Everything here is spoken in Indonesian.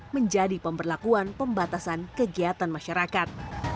menjadi pemberlakuan pembatasan kegiatan masyarakat